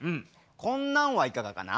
こんなんはいかがかな？